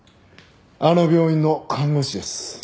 あの病院の看護師です。